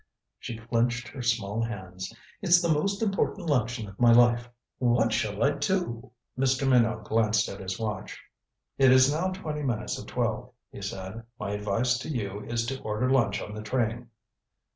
She clenched her small hands. "It's the most important luncheon of my life. What shall I do?" Mr. Minot glanced at his watch. "It is now twenty minutes of twelve," he said. "My advice to you is to order lunch on the train."